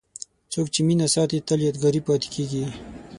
څوک چې مینه ساتي، تل یادګاري پاتې کېږي.